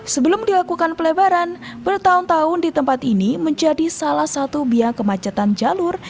sebelum dilakukan pelebaran bertahun tahun di tempat ini menjadi salah satu biang kemacetan jalur